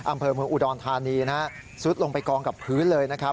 อำเภอเมืองอุดรธานีนะฮะซุดลงไปกองกับพื้นเลยนะครับ